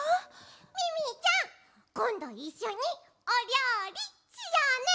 ミミィちゃんこんどいっしょにおりょうりしようね！